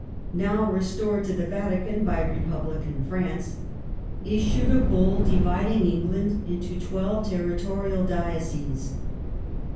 now re stored to the Vatican by Republican France, issued a Bull dividing England into twelve territorial dioceses.